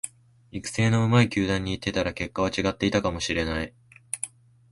育成の上手い球団に行ってたら結果は違っていたかもしれない